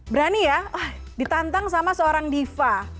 berani ya ditantang sama seorang diva